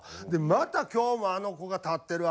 また今日もあの子が立ってる。